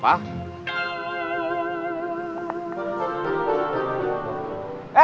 gak ada apa apa